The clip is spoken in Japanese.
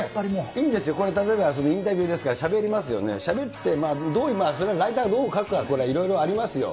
いいんですよ、これ例えば、インタビューですから、しゃべりますよね、しゃべって、どういう、それはライターがどう書くかとかいろいろありますよ。